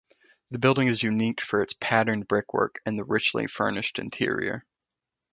The building is unique for its patterned brickwork and the richly furnished interior.